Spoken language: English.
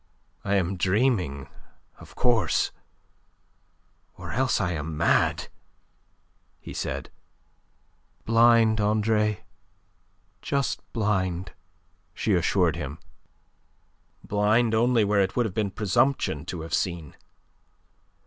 "I am dreaming, of course, or else I am mad," he said. "Blind, Andre; just blind," she assured him. "Blind only where it would have been presumption to have seen."